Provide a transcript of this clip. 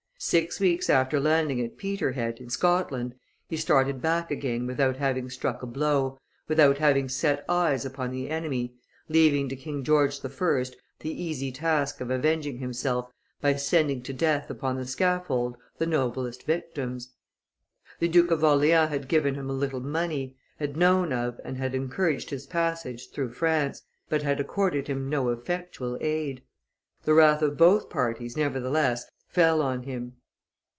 Six weeks after landing at Peterhead, in Scotland, he started back again without having struck a blow, without having set eyes upon the enemy, leaving to King George I. the easy task of avenging himself by sending to death upon the scaffold the noblest victims. The Duke of Orleans had given him a little money, had known of and had encouraged his passage through France, but had accorded him no effectual aid; the wrath of both parties, nevertheless, fell on him.